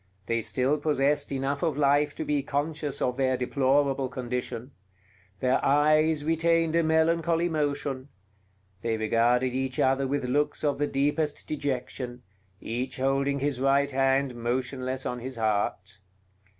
They still possessed enough of life to be conscious of their deplorable condition; their eyes retained a melancholy motion; they regarded each other with looks of the deepest dejection, each holding his right hand motionless on his heart.